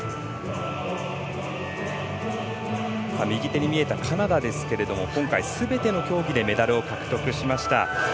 右手に見えたカナダですけれども今回、すべての競技でメダルを獲得しました。